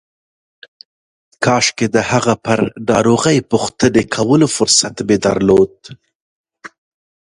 کاشکې د هغه پر ناروغۍ پوښتنې کولو فرصت مې درلود.